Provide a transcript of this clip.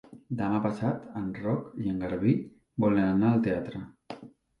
Demà passat en Roc i en Garbí volen anar al teatre.